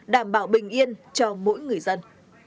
đảm bảo bình yên cho mỗi người dân